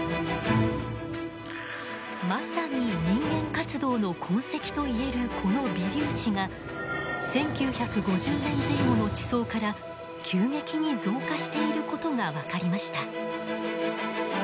まさに人間活動の痕跡と言えるこの微粒子が１９５０年前後の地層から急激に増加していることが分かりました。